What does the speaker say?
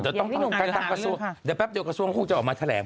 เดี๋ยวต้องพี่ดุ๊คขายฐานเวลาเดี๋ยวแปะเดี๋ยวกระชวงครับคุ้มจะออกมาแผลก